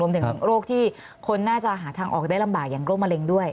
รวมถึงโรคที่คนน่าจะหาทางออกได้ลำบากอย่างโรคมะเร็งด้วย